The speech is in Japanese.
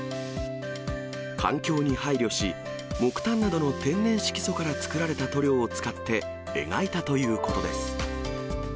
環境に配慮し、木炭などの天然色素から作られた塗料を使って、描いたということです。